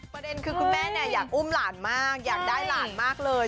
ประเด็นคือคุณแม่อยากอุ้มหลานมากอยากได้หลานมากเลย